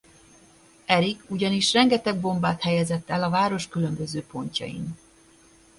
Erich ugyanis rengeteg bombát helyezett el a város különböző pontjain.